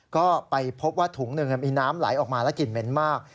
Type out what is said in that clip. ก็ไปพบว่าถุงหนึ่งมีน้ำไหลออกมาและกลิ่นเหม็นมาก